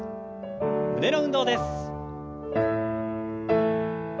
胸の運動です。